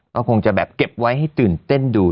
ก็คงจะแบบเก็บไว้ให้ตื่นเต้นดู